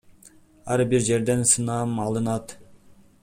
Ар бир жерден сынам алынат.